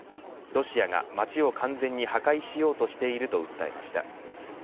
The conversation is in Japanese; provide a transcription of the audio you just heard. ロシアが街を完全に破壊しようとしていると訴えました。